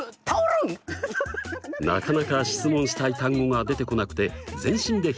なかなか質問したい単語が出てこなくて全身で表現。